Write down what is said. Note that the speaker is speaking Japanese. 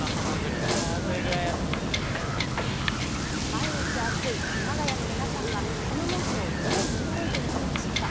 毎日暑い熊谷の皆さんは、この猛暑をどう乗り越えているのでしょうか。